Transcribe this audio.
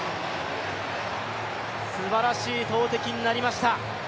すばらしい投てきになりました。